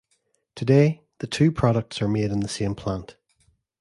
Today, the two products are made in the same plant.